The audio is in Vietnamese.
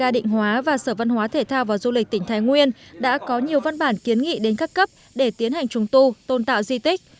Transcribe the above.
đa định hóa và sở văn hóa thể thao và du lịch tỉnh thái nguyên đã có nhiều văn bản kiến nghị đến các cấp để tiến hành trùng tu tôn tạo di tích